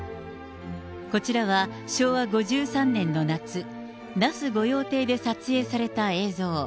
こちらは昭和５３年の夏、那須御用邸で撮影された映像。